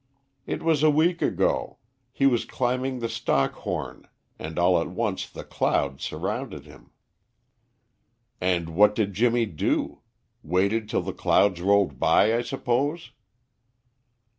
"It was a week ago. He was climbing the Stockhorn and all at once the clouds surrounded him." "And what did Jimmy do? Waited till the clouds rolled by, I suppose."